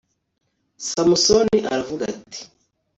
samusoni aravuga ati